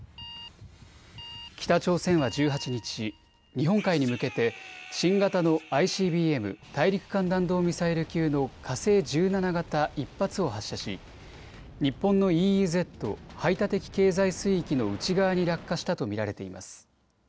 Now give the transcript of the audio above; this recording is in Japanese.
北朝鮮は１８日、日本海に向けて新型のＩＣＢＭ・大陸間弾道ミサイル級の火星１７型１発を発射し日本のＥＥＺ・排他的経済水域の内側に落下したと見られています。